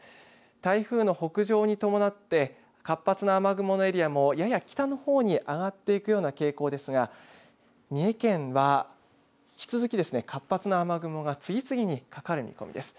台風の北上に伴って活発な雨雲のエリアもやや北のほうに上がっていくような傾向ですが三重県は引き続き活発な雨雲が次々にかかる見込みです。